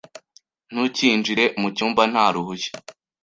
Ntukinjire mucyumba nta ruhushya.